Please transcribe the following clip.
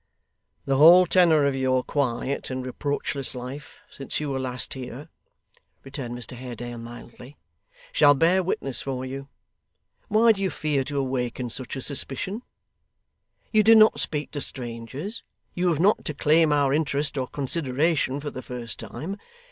'The whole tenor of your quiet and reproachless life since you were last here,' returned Mr Haredale, mildly, 'shall bear witness for you. Why do you fear to awaken such a suspicion? You do not speak to strangers. You have not to claim our interest or consideration for the first time.